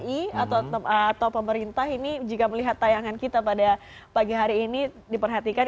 ini teman teman kbri atau pemerintah ini jika melihat tayangan kita pada pagi hari ini diperhatikan